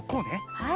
はい。